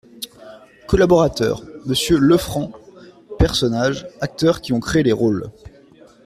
COLLABORATEUR : Monsieur LEFRANC PERSONNAGES Acteurs qui ont créé les rôles.